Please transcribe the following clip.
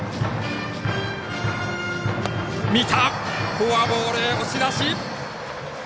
フォアボール、押し出し！